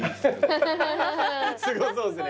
すごそうっすね。